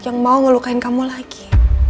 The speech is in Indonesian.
yang mau ngelukain kamu lagi